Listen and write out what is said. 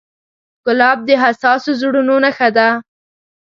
ګلاب د حساسو زړونو نښه ده.